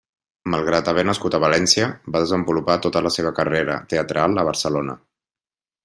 Malgrat haver nascut a València, va desenvolupar tota la seva carrera teatral a Barcelona.